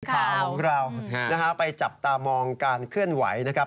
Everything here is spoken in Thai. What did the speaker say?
ข่าวของเรานะฮะไปจับตามองการเคลื่อนไหวนะครับ